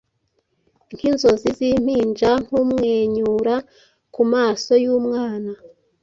Nkinzozi zimpinja, nkumwenyura kumaso yumwana